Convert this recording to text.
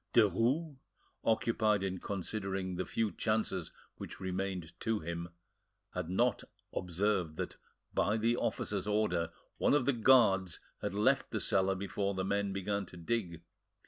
Derues, occupied in considering the few chances which remained to him, had not observed that, by the officer's order, one of the guards had left the cellar before the men began to dig.